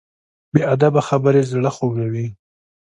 بې ادبه خبرې زړه خوږوي.